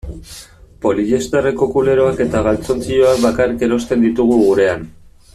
Poliesterreko kuleroak eta galtzontziloak bakarrik erosten ditugu gurean.